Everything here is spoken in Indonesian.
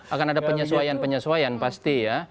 akan ada penyesuaian penyesuaian pasti ya